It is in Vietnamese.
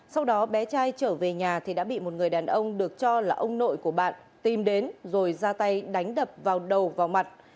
sau đó bé trai trở về nhà thì đã bị một người đàn ông được cho là ông nội của bạn tìm đến rồi ra tay đánh đập vào đầu vào mặt